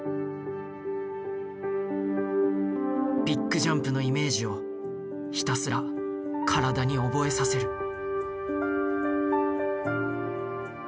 ビッグジャンプのイメージをひたすら体に覚えさせる。